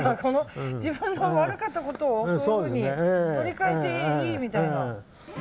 自分の悪かったことをそういうふうに取り替えていいみたいな。